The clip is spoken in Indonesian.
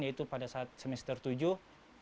yaitu pada saat semester tujuh